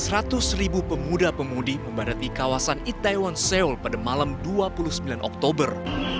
seratus ribu pemuda pemudi membadati kawasan itaewon seoul pada malam dua puluh sembilan oktober